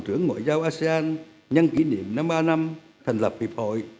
bộ trưởng ngoại giao asean nhân kỷ niệm năm ba năm thành lập hiệp hội